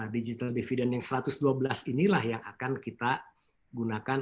digital dividend yang satu ratus dua belas inilah yang akan kita gunakan